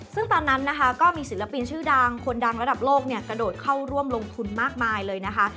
ซึ่งตอนนั้นนะคะก็มีศิลปินชื่อดังคนดังระดับโลกเนี่ยกระโดดเข้าร่วมลงทุนมากมายเลยนะคะ